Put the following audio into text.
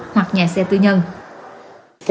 hoặc nhà xe tư nhân